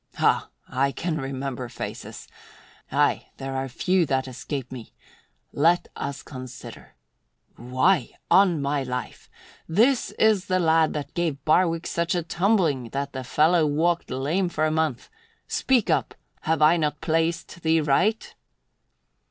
"Ha! I can remember faces. Aye, there are few that escape me. Let us consider. Why, on my life! This is the lad that gave Barwick such a tumbling that the fellow walked lame for a month. Speak up! Have I not placed thee right?"